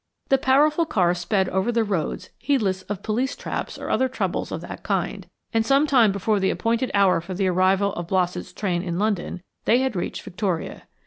The powerful car sped over the roads heedless of police traps or other troubles of that kind, and some time before the appointed hour for the arrival of Blossett's train in London they had reached Victoria.